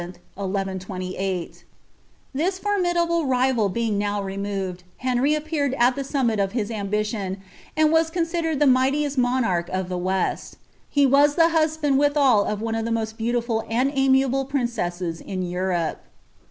Tlii* formiilable ri^ al being now removed, Henry appeared at the ■OBBUt of his ambition, and was considen^d the mightiest monarch of die Weal. He was the husband withal of one of the most beautiful and ] ■BiahlA piiBceasus in Europe.